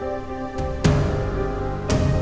apa kita perlu cek